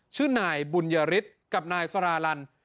ชื่อนายบุญยฤทธิ์กับนายสาราลัน